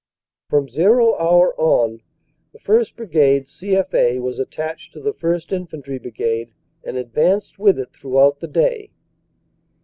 "From zero hour on, the 1st. Brigade C.F.A. was attached to the 1st. Infantry Brigade, and advanced with it throughout the day.